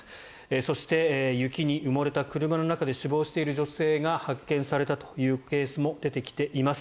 そして、雪に埋もれた車の中で死亡している女性が発見されたというケースも出てきています。